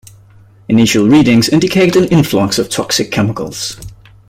Initial readings indicate an influx of toxic chemicals.